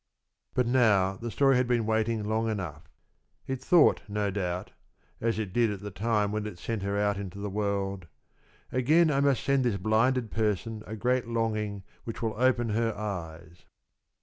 But now the story had been waiting long enough. It thought, no doubt, as it did at the time when it sent her out in the world: "Again I must send this blinded person a great longing which will open her eyes."